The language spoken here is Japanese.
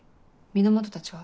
源たちは？